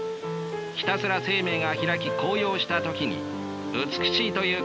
ひたすら生命が開き高揚した時に美しいという感動が起こるのだ。